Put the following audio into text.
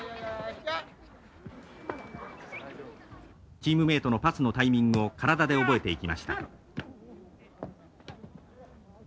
チームメートのパスのタイミングを体で覚えていきました。